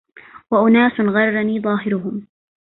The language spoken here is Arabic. وأناس غرني ظاهرهم